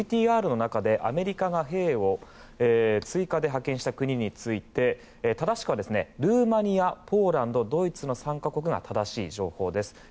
ＶＴＲの中でアメリカが兵を追加で派遣した国について正しくはルーマニアポーランド、ドイツの３か国が正しい情報です。